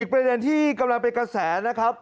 ประเด็นที่กำลังเป็นกระแสนะครับ